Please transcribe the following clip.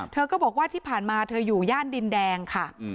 เธอก็บอกว่าที่ผ่านมาเธออยู่ย่านดินแดงค่ะ